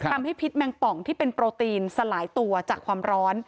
พิษแมงป่องที่เป็นโปรตีนสลายตัวจากความร้อน